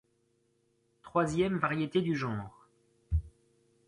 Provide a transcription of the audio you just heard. Troisième variété du genre.